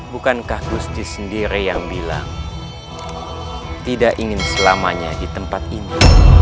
bukankah gusti sendiri yang bilang tidak ingin selamanya di tempat ini